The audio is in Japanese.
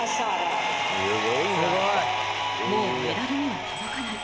もうメダルには届かない。